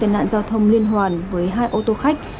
tai nạn giao thông liên hoàn với hai ô tô khách